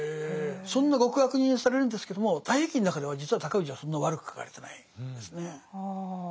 そんな極悪人にされるんですけども「太平記」の中では実は尊氏はそんな悪く書かれてないですね。